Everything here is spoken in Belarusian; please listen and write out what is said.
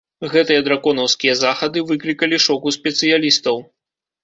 Гэтыя драконаўскія захады выклікалі шок у спецыялістаў.